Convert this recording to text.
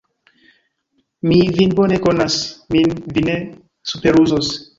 Mi vin bone konas, min vi ne superruzos!